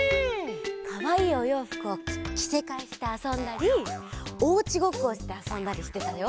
かわいいおようふくをきせかえしてあそんだりおうちごっこをしてあそんだりしてたよ。